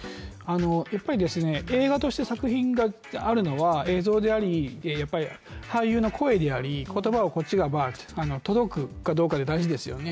やっぱり映画として作品があるのは映像でありやっぱり俳優の声であり、言葉がこっちに届くかどうかが大事ですよね、